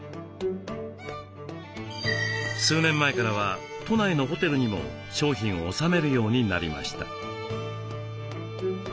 数年前からは都内のホテルにも商品を納めるようになりました。